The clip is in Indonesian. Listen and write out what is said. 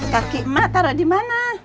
taki mak taruh di mana